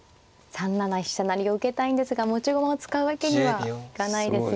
３七飛車成を受けたいんですが持ち駒を使うわけにはいかないですよね。